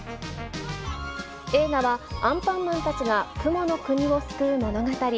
映画は、アンパンマンたちが雲の国を救う物語。